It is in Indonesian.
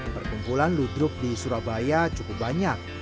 perkumpulan ludruk di surabaya cukup banyak